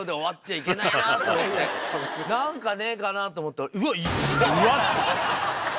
何かねえかなと思ったら。